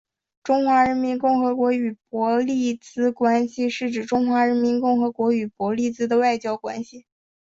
中华人民共和国与伯利兹关系是指中华人民共和国与伯利兹的外交关系。